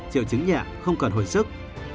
chịu chứng nhẹ không cần hồi sức